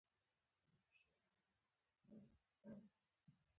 چې دې ته ورته ارزښتونه پالي.